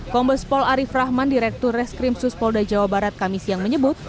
kombes pol arief rahman direktur reskrimsus polda jawa barat kamis yang menyebut